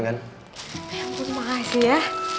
ya ampun makasih ya